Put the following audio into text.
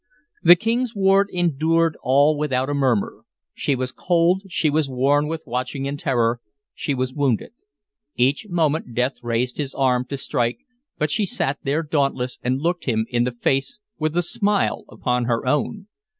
The King's ward endured all without a murmur. She was cold, she was worn with watching and terror, she was wounded; each moment Death raised his arm to strike, but she sat there dauntless, and looked him in the face with a smile upon her own.